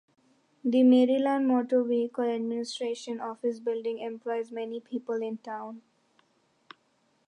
The Maryland Motor Vehicle Administration office building employs many people in town.